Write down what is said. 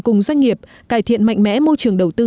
cùng doanh nghiệp cải thiện mạnh mẽ môi trường đầu tư